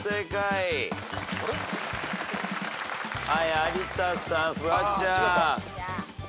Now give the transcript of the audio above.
有田さんフワちゃん。